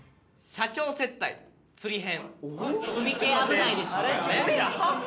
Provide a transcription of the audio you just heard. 社長接待釣り編。